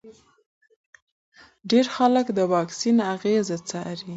ډېر خلک د واکسین اغېزې څاري.